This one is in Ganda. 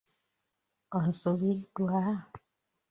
Onsubiddwa?